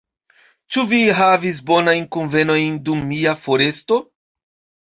Ĉu vi havis bonajn kunvenojn dum mia foresto?